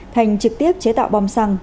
thành trực tiếp chế tạo bom xăng